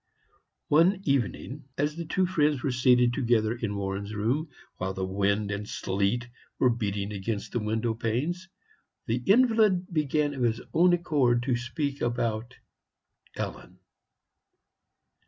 One evening, as the two friends were seated together in Warren's room, while the wind and sleet were beating against the window panes, the invalid began of his own accord to speak about Ellen.